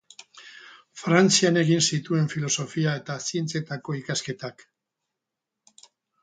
Frantzian egin zituen filosofia eta zientzietako ikasketak.